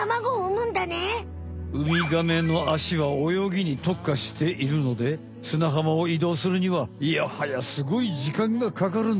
ウミガメのアシはおよぎにとっかしているのですなはまを移動するにはいやはやすごい時間がかかるんだ。